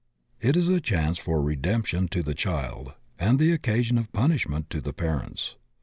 It is a chance for redemption to the child and the occasion of punishment to the parents.